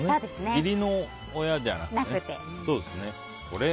義理の親じゃなくてね。